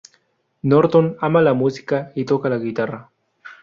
Norton ama la música y toca la guitarra.